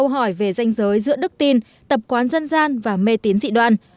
hỏi về danh giới giữa đức tin tập quán dân gian và mê tín dị đoạn